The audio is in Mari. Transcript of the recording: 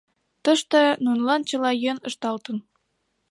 Тыште нунылан чыла йӧн ышталтын.